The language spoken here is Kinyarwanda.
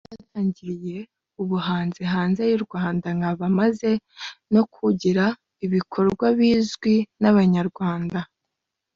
Kuba naratangiriye ubuhanzi hanze y’u Rwanda nkaba maze no kugira ibikorwa bizwi n’abanyarwanda